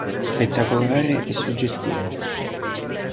Spettacolare e suggestivo.